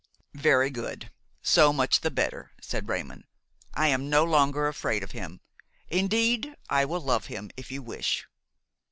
"Very good, so much the better," said Raymon; "I am no longer afraid of him; indeed I will love him if you wish."